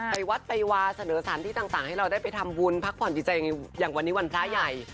ไปวัดไปวาเสนอสารที่ต่างให้เราได้ไปทำบุญพักผ่อนดีใจอย่างวันนี้วันพระใหญ่